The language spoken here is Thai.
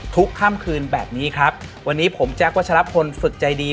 ค่ำคืนแบบนี้ครับวันนี้ผมแจ๊ควัชลพลฝึกใจดี